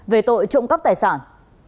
về tội trộm cấp tài sản